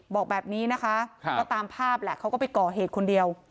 บอกแบบนี้นะคะก็ตามภาพแหละเขาก็ไปก่อเหตุคนเดียว